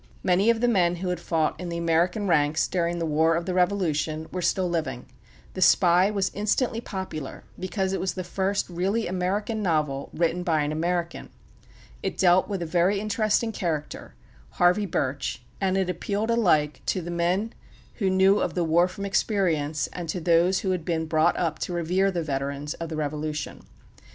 Many of the men who had fought in the American ranks during the War of the Revolution were still living. "The Spy" was instantly popular, because it was the first really American novel written by an American. It dealt with a very interesting character, Harvey Birch; and it appealed alike to the men who knew of the war from experience, and to those who had been brought up to revere the veterans of the Revolution.